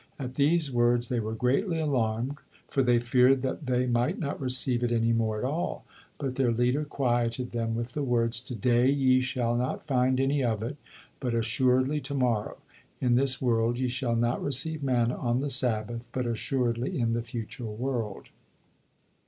At these words they were greatly alarmed, for they feared that they might not receive it any more at all, but their leader quieted them with the words, "To day ye shall not find any of it, but assuredly to morrow; in this world ye shall not receive manna on the Sabbath, but assuredly in the future world."